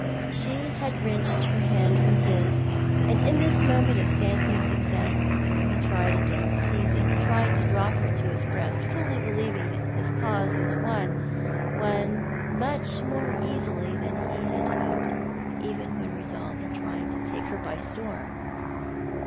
She had wrenched her hand from his, and in this moment of fancied success he tried again to seize it — tried to draw her to his breast, fully believing that his cause was won — won much more easily than he had hoped, even when resolved on trying to take her by storm.